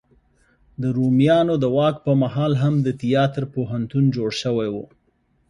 د رومیانو د واک په مهال هم د تیاتر پوهنتون جوړ شوی و.